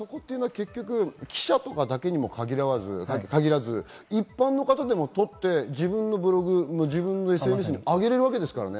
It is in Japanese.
記者とかだけにも限らず、一般の方でも撮って自分のブログ、ＳＮＳにあげられるわけですからね。